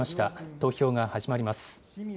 投票が始まります。